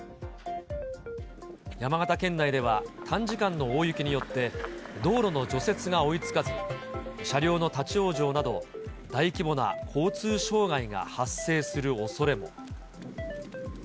山形県内では短時間の大雪によって、道路の除雪が追いつかず、車両の立往生など、大規模な交通障害が発生するおそれも。